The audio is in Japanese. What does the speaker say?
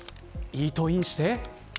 イートインして。